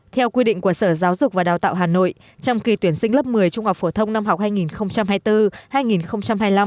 theo quy định của sở giáo dục và đào tạo hà nội trong kỳ tuyển sinh lớp một mươi trung học phổ thông năm học hai nghìn hai mươi bốn hai nghìn hai mươi năm